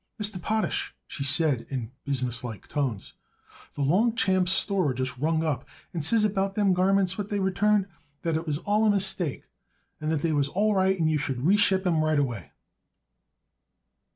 "Mr. Potash," she said in businesslike tones, "the Longchamps Store just rung up and says about them garments what they returned that it was all a mistake, and that they was all right and you should reship 'em right away."